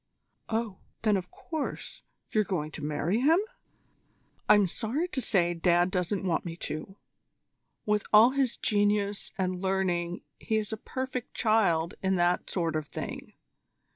"Oh! Then, of course, you're going to marry him?" "I'm sorry to say Dad doesn't want me to. With all his genius and learning he is a perfect child in that sort of thing.